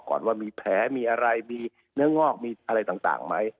ก่อนว่ามีแผลมีอะไรมีเนื้องอกมีอะไรต่างไหม